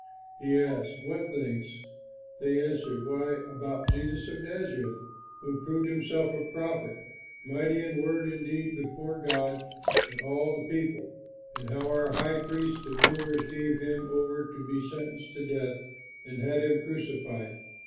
He asked, "What things?" They answered, "Why, about Jesus of Nazareth, who proved himself a prophet, mighty in word and deed before God and all the people, and how our high priests and rulers gave him over to be sentenced to death and had him crucified.